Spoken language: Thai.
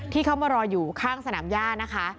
ที่เขามารออยู่ข้างสนามย่านะคะ